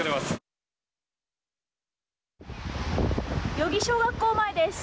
よび小学校前です。